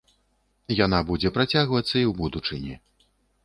Яна будзе працягвацца і ў будучыні.